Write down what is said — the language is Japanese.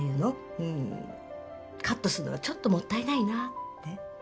うんカットするのがちょっと勿体ないなって。